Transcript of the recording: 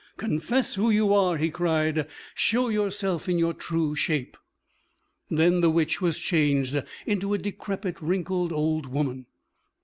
"Confess who you are," he cried; "show yourself in your true shape." Then the witch was changed into a decrepit, wrinkled old woman.